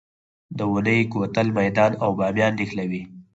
د اونی کوتل میدان او بامیان نښلوي